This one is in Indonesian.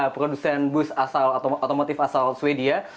produksen bus asal otomotif asal swedia